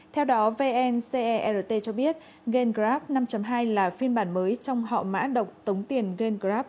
theo đó vncert cho biết gamegraph năm hai là phiên bản mới trong họ mã độc tống tiền gamegraph